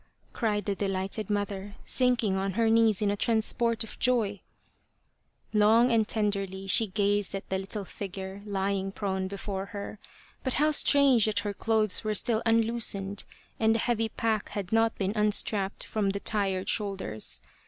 " cried the delighted mother sinking on her knees in a transport of joy. Long and tenderly she gazed at the little figure, lying prone before her. But how strange that her clothes were still unloosened and the heavy pack had not been unstrapped from the tired shoulders.